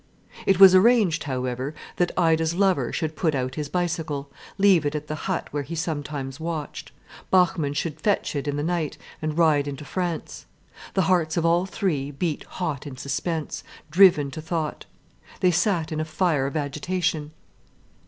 It was arranged, however, that Ida's lover should put out his bicycle, leave it at the hut where he sometimes watched. Bachmann should fetch it in the night, and ride into France. The hearts of all three beat hot in suspense, driven to thought. They sat in a fire of agitation.